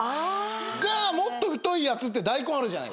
じゃあもっと太いやつって大根あるじゃないですか。